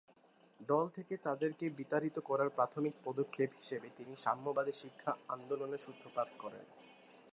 দল থেকে তাদেরকে বিতাড়িত করার প্রাথমিক পদক্ষেপ হিসেবে তিনি সাম্যবাদী শিক্ষা আন্দোলনের সূত্রপাত করেন।